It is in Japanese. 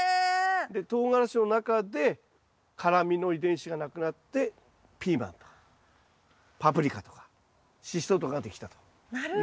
とうがらしの中で辛みの遺伝子がなくなってピーマンとかパプリカとかシシトウとかができたということですね。